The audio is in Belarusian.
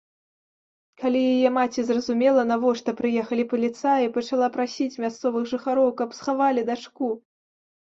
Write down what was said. Калі яе маці зразумела, навошта прыехалі паліцаі, пачала прасіць мясцовых жыхароў, каб схавалі дачку.